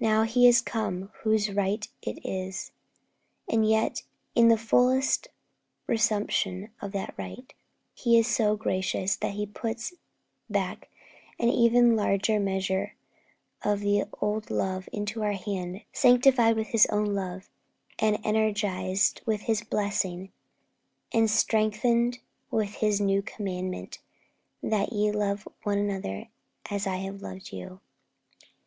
Now He is come whose right it is; and yet in the fullest resumption of that right, He is so gracious that He puts back an even larger measure of the old love into our hand, sanctified with His own love, and energized with His blessing, and strengthened with His new commandment, 'That ye love one another, as I have loved you.'